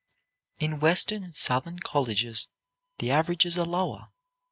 In Western and Southern colleges the averages are lower.